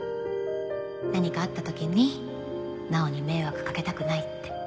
何かあった時に直央に迷惑かけたくないって。